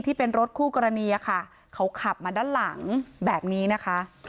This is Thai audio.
ที่เป็นรถคู่กรณีค่ะเขาขับมาด้านหลังแบบนี้นะคะ